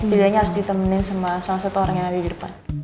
bedanya harus ditemenin sama salah satu orang yang ada di depan